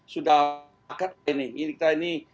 sudah akad ini ini kita ini